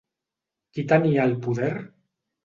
Qui tenia el poder?